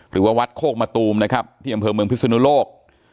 หรือว่าวัดโคกมะตูมนะครับที่อำเภอเมืองพิศนุโลก